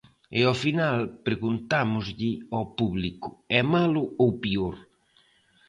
E ao final preguntámoslle ao público: é malo ou peor?